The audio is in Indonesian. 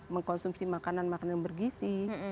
mengkonsumsi makanan makanan bergisi